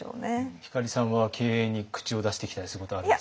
光さんは経営に口を出してきたりすることはあるんですか？